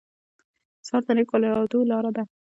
سهار د نیکو ارادو لاره ده.